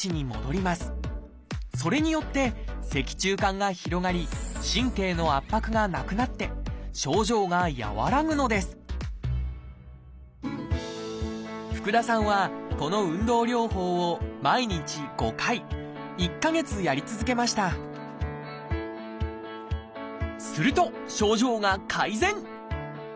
それによって脊柱管が広がり神経の圧迫がなくなって症状が和らぐのです福田さんはこの運動療法を毎日５回１か月やり続けましたすると症状が改善！